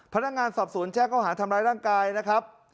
พนักงานสอบสวนแจ้งเขาหาทำร้ายร่างกายนะครับ